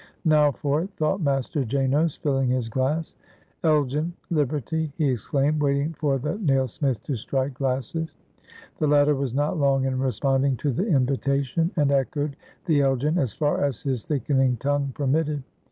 "Now for it!" thought Master Janos, filling his glass. '' Eljen! liberty!" he exclaimed, waiting for the nail smith to strike glasses. The latter was not long in responding to the invitation, and echoed the "Eljen!" as far as his thickening tongue permitted.